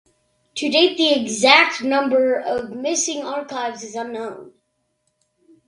To date the exact number of missing archives is unknown.